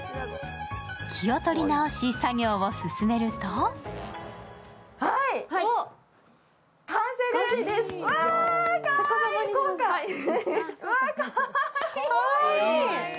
気を取り直し作業を進めるとわー、かわいい。